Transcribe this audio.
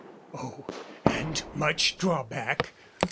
Oh, and much drawback!